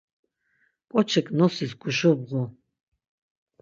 K̆oçik nosis guşubğu.